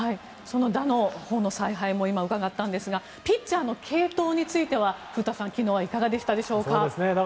打の法の采配も今、伺ったんですがピッチャーの継投については古田さん昨日はいかがでしたでしょうか。